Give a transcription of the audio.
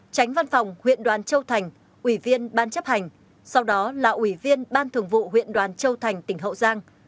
tránh văn phòng huyện đoàn châu thành ủy viên ban chấp hành sau đó là ủy viên ban thường vụ huyện đoàn châu thành tỉnh hậu giang